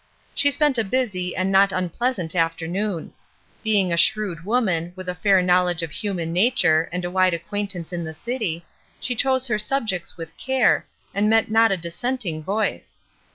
She spent a busy and not unpleasant afternoon. Being a shrewd woman, with a fair knowledge of human nature and a CHILDREN OF ONE FATHER 383 wide acquaintance in the city, she chose her subjects with care, and met not a dissenting voice.